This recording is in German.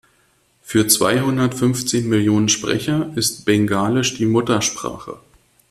Für zweihundertfünfzehn Millionen Sprecher ist Bengalisch die Muttersprache.